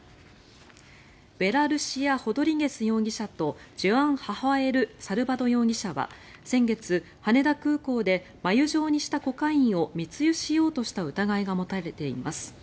ヴェラ・ルシア・ホドリゲス容疑者とジョアン・ハファエル・サルバド容疑者は先月、羽田空港で繭状にしたコカインを密輸しようとした疑いが持たれています。